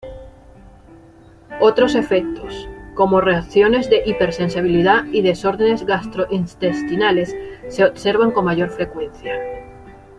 Otros efectos, como reacciones de hipersensibilidad y desórdenes gastrointestinales, se observan con mayor frecuencia.